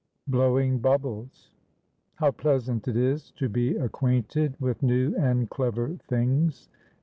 BLOWING BUBBLES. "How pleasant it is to be acquainted with new and clever things."